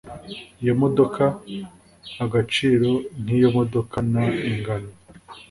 iyo modoka Agaciro k iyo modoka n ingano